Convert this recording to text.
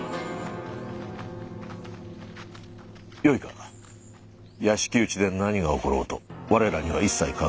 よいか屋敷内で何が起ころうと我らには一切関わりはない。